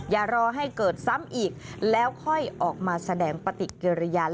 อย่ารอให้เกิดซ้ำอีกแล้วค่อยออกมาแสดงปฏิกิริยา